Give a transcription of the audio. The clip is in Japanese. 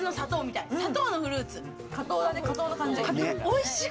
おいしい！